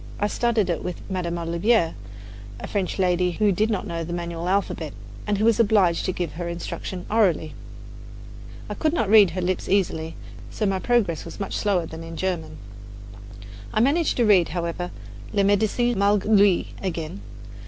I studied it with Madame Olivier, a French lady who did not know the manual alphabet, and who was obliged to give her instruction orally. I could not read her lips easily; so my progress was much slower than in German. I managed, however, to read "Le Medecin Malgre Lui" again.